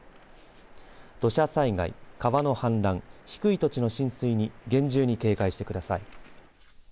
土砂災害、川の氾濫低い土地の浸水に厳重に警戒してください。